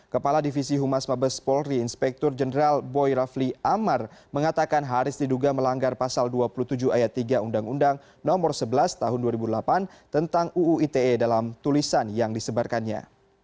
kepala divisi humas mabes polri inspektur jenderal boy rafli amar mengatakan haris diduga melanggar pasal dua puluh tujuh ayat tiga undang undang nomor sebelas tahun dua ribu delapan tentang uu ite dalam tulisan yang disebarkannya